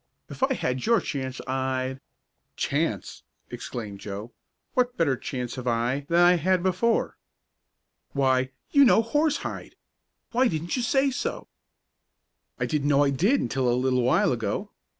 "If I had your chance I'd " "Chance!" exclaimed Joe. "What better chance have I than I had before?" "Why, you know Horsehide! Why didn't you say so?" "I didn't know I did until a little while ago.